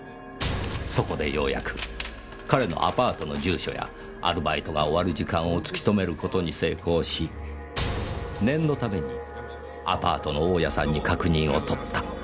そこでようやく彼のアパートの住所やアルバイトが終わる時間を突き止める事に成功し念のためにアパートの大家さんに確認をとった。